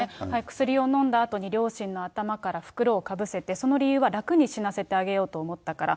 薬を飲んだあとに両親の頭から袋をかぶせて、その理由は楽に死なせてあげようと思ったから。